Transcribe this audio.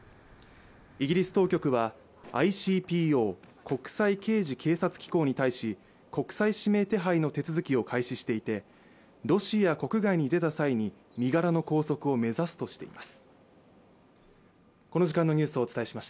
イギリス当局はＩＣＰＯ＝国際刑事警察機構に対し国際指名手配の手続きを開始していてロシア国外に出た際に身柄の拘束を目指すとしています。